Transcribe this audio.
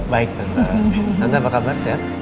baik nanti apa kabar sehat